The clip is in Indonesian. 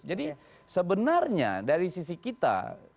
jadi sebenarnya dari sisi kita